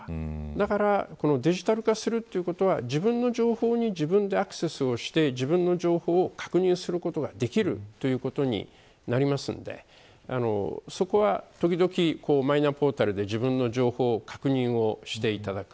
だから、デジタル化するということは自分の情報に自分でアクセスをして自分の情報を確認することができるということになりますのでそこは時々マイナポータルで自分の情報を確認をしていただく。